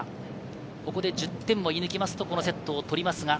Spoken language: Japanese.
ここで１０点を射抜きますとこのセットを取ります。